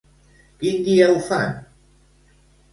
Quin dia ho fan?